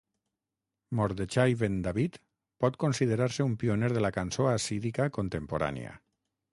Mordechai Ben David pot considerar-se un pioner de la cançó hassídica contemporània,